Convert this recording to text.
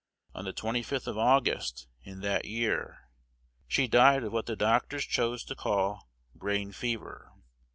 On the 25th of August, in that year, she died of what the doctors chose to call "brain fever."